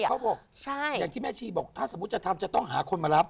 เขาบอกอย่างที่แม่ชีบอกถ้าสมมุติจะทำจะต้องหาคนมารับ